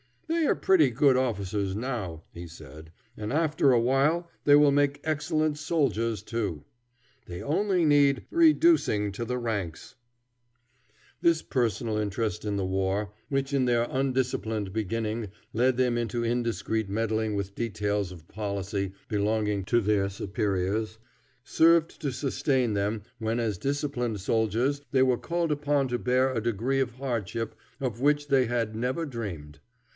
"They are pretty good officers now," he said, "and after a while they will make excellent soldiers too. They only need reducing to the ranks." This personal interest in the war, which in their undisciplined beginning led them into indiscreet meddling with details of policy belonging to their superiors, served to sustain them when as disciplined soldiers they were called upon to bear a degree of hardship of which they had never dreamed.